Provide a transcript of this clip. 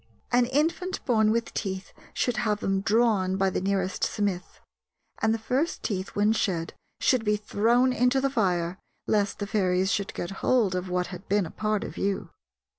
An infant born with teeth should have them drawn by the nearest smith, and the first teeth when shed should be thrown into the fire, lest the fairies should get hold of what had been part of you.